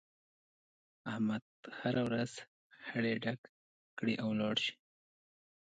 احمد هر ورځ خړی ډک کړي او ولاړ شي.